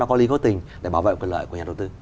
nó có ly khối tình để bảo vệ quyền lợi của nhà đầu tư